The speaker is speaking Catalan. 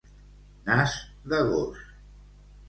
Nas de gos.